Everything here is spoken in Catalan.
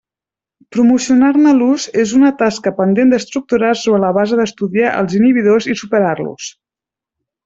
Promocionar-ne l'ús és una tasca pendent d'estructurar sobre la base d'estudiar els inhibidors i superar-los.